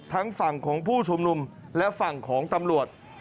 ทั้งฝั่งของผู้ชุมนุมและฝั่งของตำรวจ